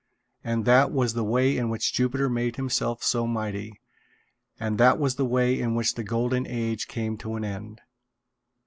And that was the way in which Jupiter made himself so mighty; and that was the way in which the Golden Age came to an end.